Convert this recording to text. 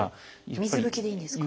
水拭きでいいんですか？